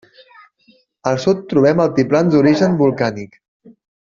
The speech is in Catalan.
Al sud trobem altiplans d'origen volcànic.